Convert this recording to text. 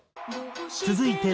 続いて。